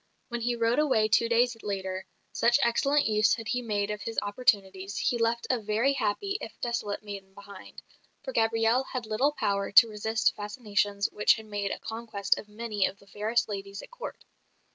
When he rode away two days later, such excellent use had he made of his opportunities, he left a very happy, if desolate maiden behind; for Gabrielle had little power to resist fascinations which had made a conquest of many of the fairest ladies at Court.